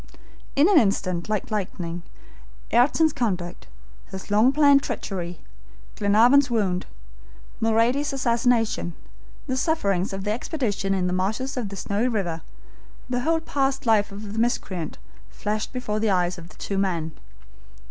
In an instant, like lightning, Ayrton's conduct, his long planned treachery, Glenarvan's wound, Mulrady's assassination, the sufferings of the expedition in the marshes of the Snowy River, the whole past life of the miscreant, flashed before the eyes of the two men.